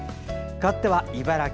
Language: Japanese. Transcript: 変わっては茨城。